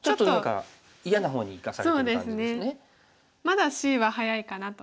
まだＣは早いかなと。